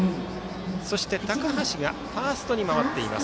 そして、高橋がファーストに回っています。